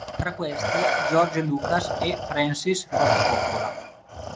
Tra questi George Lucas e Francis Ford Coppola.